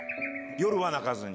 夜は鳴かずに？